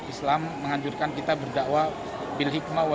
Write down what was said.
islam mengajurkan kita berdakwah